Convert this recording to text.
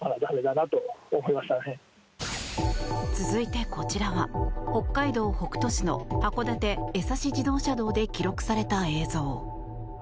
続いて、こちらは北海道北斗市の函館江差自動車道で記録された映像。